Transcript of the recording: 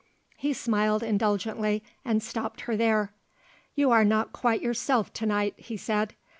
He smiled indulgently, and stopped her there. "You are not quite yourself to night," he said.